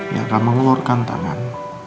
yang akan mengeluarkan tangan